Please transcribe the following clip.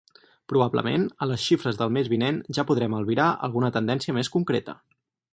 Probablement, a les xifres del mes vinent ja podrem albirar alguna tendència més concreta.